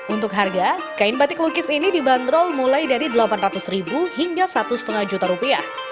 untuk harga kain batik lukis ini dibanderol mulai dari delapan ratus ribu hingga satu lima juta rupiah